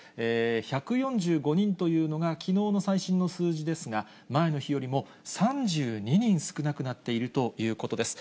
１４５人というのが、きのうの最新の数字ですが、前の日よりも３２人少なくなっているということです。